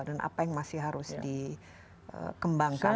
dan apa yang masih harus dikembangkan